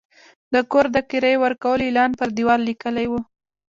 د کور د کرایې ورکولو اعلان پر دېوال لګېدلی و.